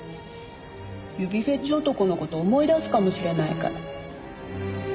指フェチ男の事思い出すかもしれないから。